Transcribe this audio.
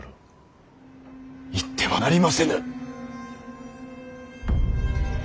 行ってはなりませぬ！